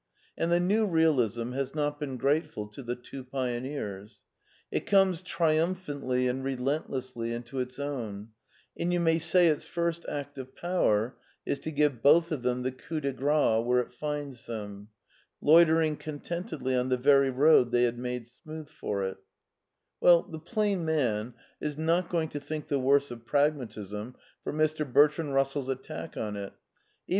And the New Realism has not been grateful to the two pioneers. It comes triumphantly and relentlessly into its own, and you may say its first act of power is to give both of them the coup de grace where it finds them, loitering contentedly on the very road they had made smooth for it Well, the plain man is not going to think the worse of Pragmatism for Mr. Bertrand Russell's attack on it, even